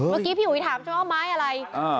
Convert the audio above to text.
เมื่อกี้พี่หุยถามช่างอ๋องไม้อะไร